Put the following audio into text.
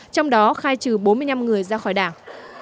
trong đó khai trừ bốn mươi năm người ra khỏi đảng